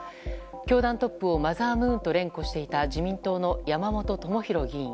教団トップをマザームーンと連呼していた自民党の山本朋広議員。